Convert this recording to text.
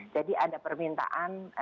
jadi ada permintaan